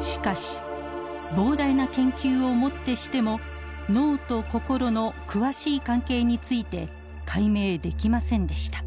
しかし膨大な研究をもってしても脳と心の詳しい関係について解明できませんでした。